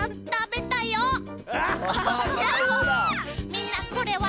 みんなこれは。